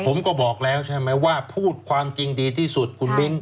ผมก็บอกแล้วใช่ไหมว่าพูดความจริงดีที่สุดคุณมิ้น